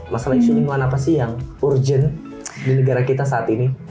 masalah isu lingkungan apa sih yang urgent di negara kita saat ini